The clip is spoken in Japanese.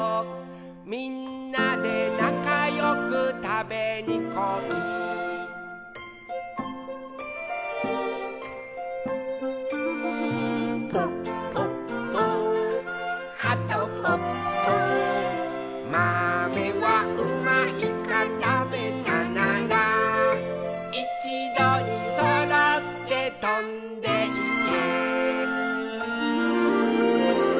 「みんなでなかよくたべにこい」「ぽっぽっぽはとぽっぽ」「まめはうまいかたべたなら」「いちどにそろってとんでいけ」